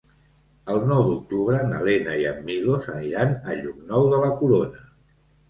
El nou d'octubre na Lena i en Milos aniran a Llocnou de la Corona.